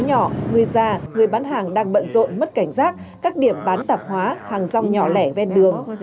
nhỏ người già người bán hàng đang bận rộn mất cảnh giác các điểm bán tạp hóa hàng rong nhỏ lẻ ven đường